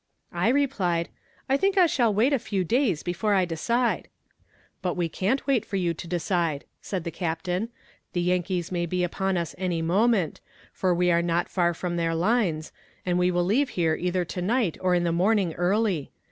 I replied, "I think I shall wait a few days before I decide." "But we can't wait for you to decide," said the captain; "the Yankees may be upon us any moment, for we are not far from their lines, and we will leave here either to night or in the morning early.